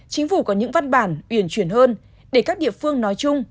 chính phủ có những văn bản uyển chuyển hơn để các địa phương nói chung